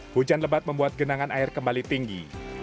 hujan lebat membuat genangan air kembali tinggi